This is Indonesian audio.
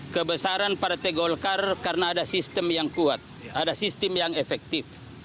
kebesaran partai golkar karena ada sistem yang kuat ada sistem yang efektif